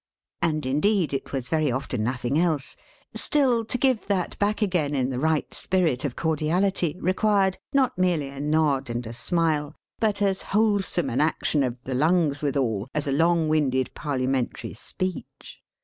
and indeed it was very often nothing else, still, to give that back again in the right spirit of cordiality, required, not merely a nod and a smile, but as wholesome an action of the lungs withal, as a long winded Parliamentary speech.